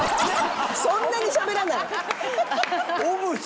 そんなにしゃべらない⁉オブジェ！